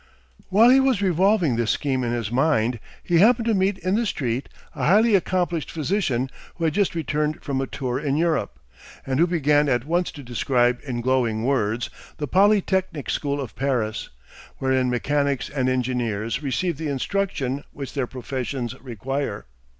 While he was revolving this scheme in his mind he happened to meet in the street a highly accomplished physician who had just returned from a tour in Europe, and who began at once to describe in glowing words the Polytechnic School of Paris, wherein mechanics and engineers receive the instruction which their professions require.